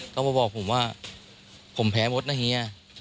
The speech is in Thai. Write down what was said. ก็มาบอกผมว่าผมแพ้มดนะเฮีย